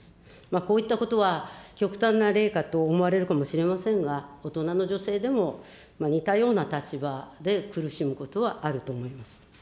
こういったことは、極端な例かと思われるかもしれませんが、大人の女性でも、似たような立場で苦しむことはあると思います。